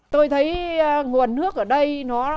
tôi thấy nguồn nước ở đây nó